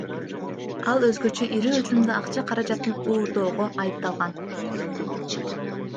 Ал өзгөчө ири өлчөмдө акча каражатын уурдоого айыпталган.